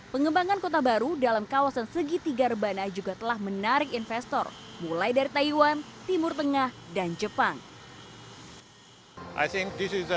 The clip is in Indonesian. pengembangan kota baru dalam kawasan segitiga rebana juga telah menarik investor mulai dari taiwan timur tengah dan jepang